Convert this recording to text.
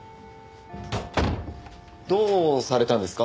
どうされたんですか？